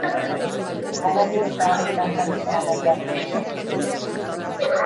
Ala bide zaharretan galtzea nahiago dezu?